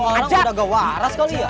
si orang udah gak waras kali ya